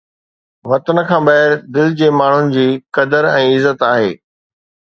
وطن کان ٻاهر دل جي ماڻهن جي قدر ۽ عزت آهي